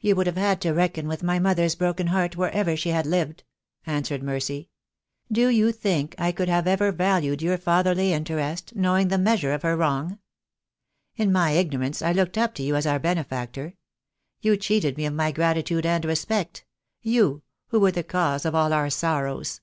"You would have had to reckon with my mother's broken heart wherever she had lived," answered Mercy. THE DAY WILL COME. 2 27 "Do you think I could have ever valued your fatherly interest, knowing the measure of her wrong? In my ignorance I looked up to you as our benefactor. You cheated me of my gratitude and respect — you, who were the cause of all our sorrows.